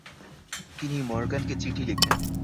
তিনি মরগানকে চিঠি লিখেন।